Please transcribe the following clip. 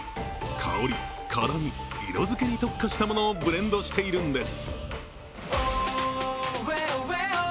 香り、辛み、色づけに特化したものをブレンドしているんです。